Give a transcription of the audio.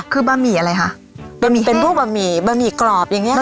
คือบะหมี่อะไรคะบะหมี่เป็นพวกบะหมี่บะหมี่กรอบอย่างเงี้